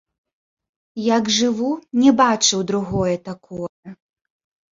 Як жыву, не бачыў другое такое!